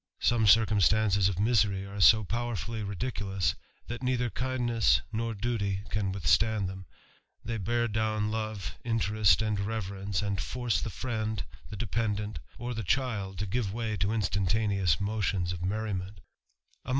Some circumstances of misery are so powerfiil^ ridiculous, that neither kindness nor duty can withstand them ; they bear down love, interest, and reverence^ and force the friend, the dependent, or the child, to give way to instantaneous motions of merriment THE RAMBLER.